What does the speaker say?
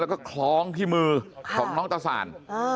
แล้วก็คล้องที่มือของน้องตะสาน